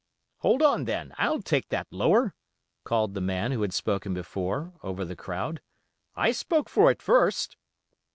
'Hold on, then, I'll take that lower,' called the man who had spoken before, over the crowd, 'I spoke for it first.